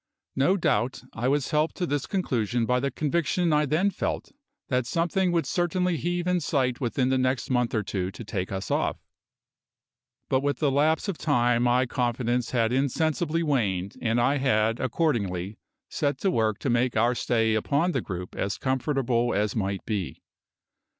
No doubt I was helped to this conclusion by the conviction I then felt that something would certainly heave in sight within the next month or two to take us off. But with the lapse of time my confidence had insensibly waned, and I had accordingly set to work to make our stay upon the group as comfortable as might be.